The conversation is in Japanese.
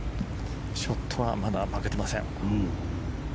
ショットはまだ負けてません。